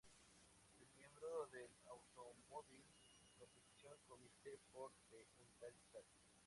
Es miembro del Automobile Competition Committee for the United States.